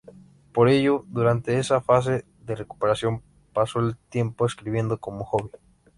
Por ello, durante esa fase de recuperación, pasó el tiempo escribiendo como "hobby.